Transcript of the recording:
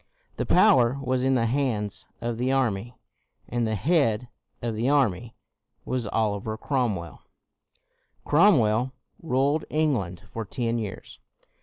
The power was in the hands of the army, and the head of the army was Oliver Cromwell. Cromwell ruled England for ten years.